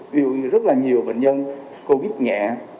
vì rất là nhiều bệnh nhân covid nhẹ